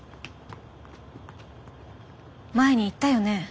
前に言ったよね